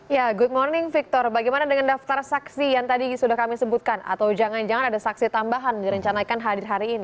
ya good morning victor bagaimana dengan daftar saksi yang tadi sudah kami sebutkan atau jangan jangan ada saksi tambahan direncanakan hadir hari ini